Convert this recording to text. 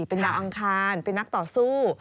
เป็นดาวอังคารเป็นนักต่อสู้